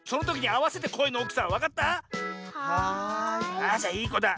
ああじゃいいこだ。